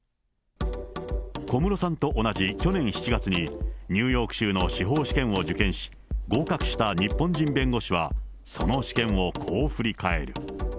小室さんと同じ去年７月にニューヨーク州の司法試験を受験し、合格した日本人弁護士はその試験をこう振り返る。